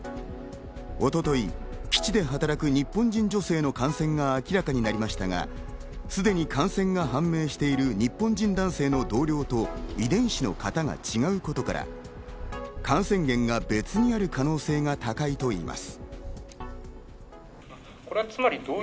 一昨日基地で働く日本人女性の感染が明らかになりましたが、すでに感染が判明している日本人男性の同僚と遺伝子の型が違うことから、感染源が別にある可能性が高いといいます。